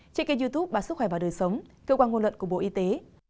trên kênh youtube bà sức khỏe và đời sống cơ quan ngôn luận của bộ y tế